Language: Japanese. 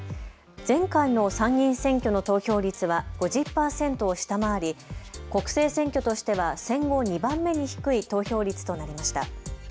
前回の参議院選挙の投票率は５０％を下回り国政選挙としては戦後２番目に低い投票率となりました。